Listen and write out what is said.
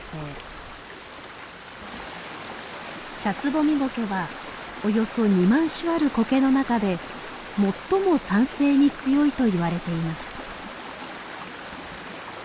チャツボミゴケはおよそ２万種あるコケの中で最も酸性に強いといわれています。